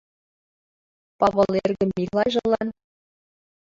Павыл эрге Миклайжылан